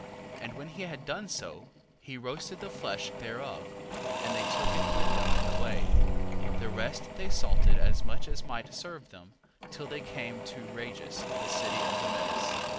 6:6. And when he had done so, he roasted the flesh thereof, and they took it with them in the way: the rest they salted as much as might serve them, till they came to Rages the city of the Medes.